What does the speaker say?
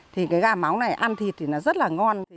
thì cái gà móng này ăn thịt thì nó rất là ngon